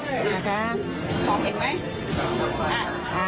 ขออีกไหม